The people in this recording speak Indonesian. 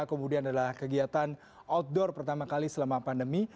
kemudian adalah kegiatan outdoor pertama kali selama pandemi